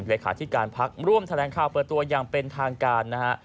เลขาธิการพักร่วมแถลงข่าวเปิดตัวอย่างเป็นทางการนะฮะ